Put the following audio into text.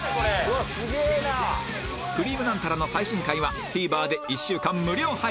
『くりぃむナンタラ』の最新回は ＴＶｅｒ で１週間無料配信